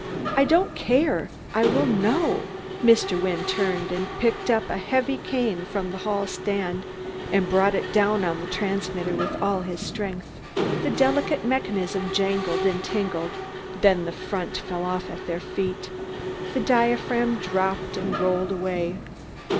"I don't care! I will know!" Mr. Wynne turned and picked up a heavy cane from the hall stand, and brought it down on the transmitter with all his strength. The delicate mechanism jangled and tingled, then the front fell off at their feet. The diaphragm dropped and rolled away.